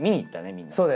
みんなで。